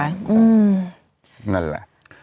นั่นแหละ